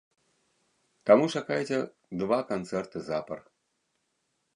Таму чакайце два канцэрты запар.